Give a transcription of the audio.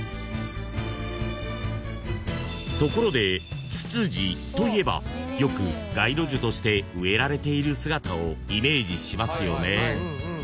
［ところでツツジといえばよく街路樹として植えられている姿をイメージしますよね］